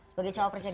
sebagai cowok presiden